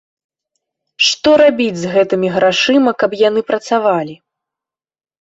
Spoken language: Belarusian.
Што рабіць з гэтымі грашыма, каб яны працавалі?